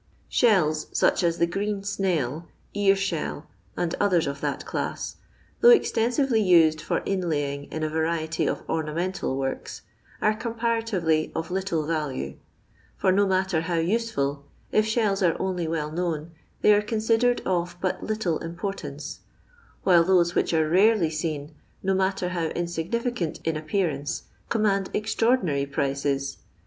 Shells, such as the green snail, ear shell, and others of that class, though extensively used for inlaying in a variety of ornamental works, are comparatively of little value ; for no matter how useful, if shells are only well known, they are considered of but little im portance ; while those which are rarely seen, no matter how insignificant in appearance, command extraordinary prices.